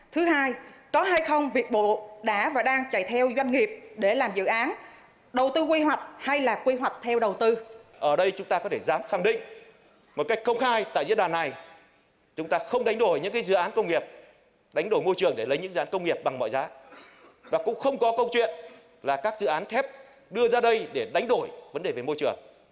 thứ hai có hay không việc bộ đã và đang chạy theo doanh nghiệp để làm dự án đầu tư quy hoạch hay là quy hoạch theo đầu tư